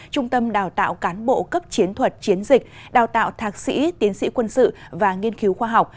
trung tâm đào tạo cán bộ cấp chiến thuật chiến dịch đào tạo thạc sĩ tiến sĩ quân sự và nghiên cứu khoa học